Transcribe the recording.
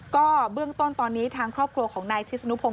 ก็เบื้องต้นตอนนี้ทางครอบครัวของนายทิศนุพงศ